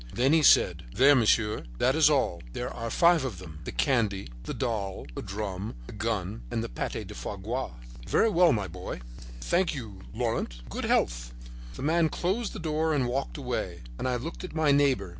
Then he said: "There, monsieur, that is all. There are five of them—the candy, the doll the drum, the gun, and the pate de foies gras." "Very well, my boy." "Thank you, Laurent; good health!" The man closed the door and walked away, and I looked at my neighbor.